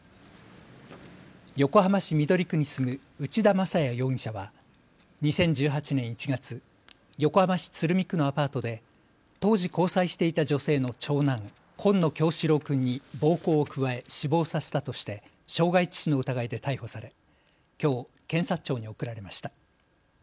横浜市緑区に住む内田正也容疑者は２０１８年１月、横浜市鶴見区のアパートで当時交際していた女性の長男紺野叶志郎君に暴行を加え死亡させたとして傷害致死の疑いで逮捕され、きょう検察庁に送られました。